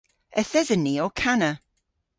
Yth esen ni ow kana.